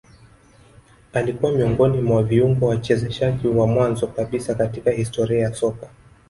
Alikua miongoni mwa viungo wachezeshaji wa mwanzo kabisa katika historia ya soka